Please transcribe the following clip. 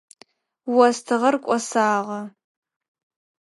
Остыгъэр кӏосагъэ.